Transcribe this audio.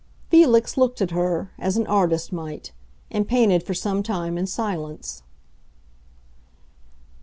Felix looked at her, as an artist might, and painted for some time in silence.